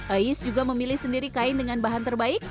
ais juga memilih sendiri kain dengan bahan terbaik